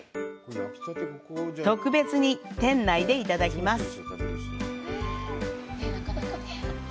特別に店内でいただきます。